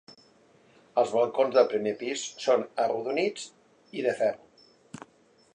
Els balcons del primer pis són arrodonits i de ferro.